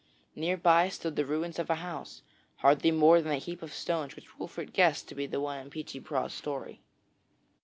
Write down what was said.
Near by stood the ruins of a house hardly more than a heap of stones, which Wolfert guessed to be the one in Peechy Prauw's story.